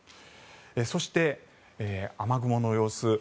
そして、雨雲の様子。